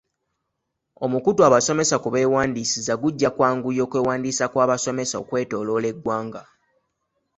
Omukutu abasomesa kwe beewandiisiza gujja kwanguya okwewandiisa kw'abasomesa okwetooloola eggwanga.